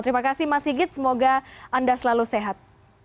terima kasih mas sigit semoga anda selalu sehat